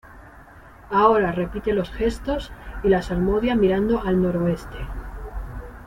Ahora repite los gestos y la salmodia mirando al noroeste